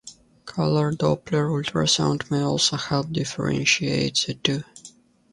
Color doppler ultrasound may also help differentiate the two.